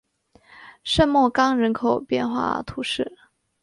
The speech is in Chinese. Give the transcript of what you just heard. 圣莫冈人口变化图示